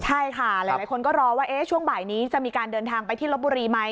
ใช่ค่ะหลายคนก็รอว่าช่วงบ่ายนี้จะมีการเดินทางไปที่ลบบุรีไหม